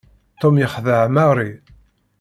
Tom yexdeɛ Mary.